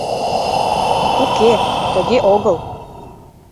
— Уке, тыге огыл...